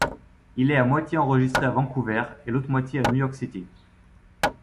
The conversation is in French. Il est à moitié enregistré à Vancouver et l'autre moitié à New York City.